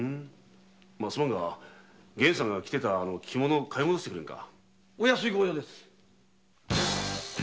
すまんが源さんが着ていた着物を買い戻してくれんか。